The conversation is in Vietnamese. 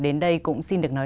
đến đây cũng xin được nói